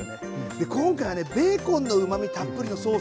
で今回はねベーコンのうまみたっぷりのソースを合わせる